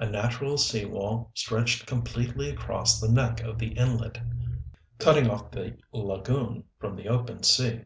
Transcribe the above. A natural sea wall stretched completely across the neck of the inlet, cutting off the lagoon from the open sea.